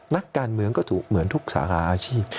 นักการเมืองก็ถูกเหมือนทุกสาขาอาชีพ